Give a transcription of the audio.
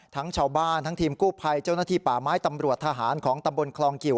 ทั้งชาวบ้านทั้งทีมกู้ภัยเจ้าหน้าที่ป่าไม้ตำรวจทหารของตำบลคลองกิว